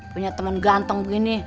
punya temen ganteng begini